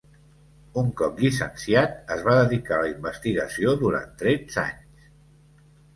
Un cop llicenciat, es va dedicar a la investigació durant tretze anys.